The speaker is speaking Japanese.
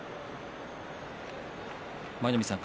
舞の海さん